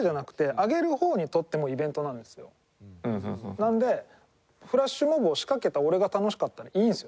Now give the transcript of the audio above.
なのでフラッシュモブを仕掛けた俺が楽しかったらいいんですよ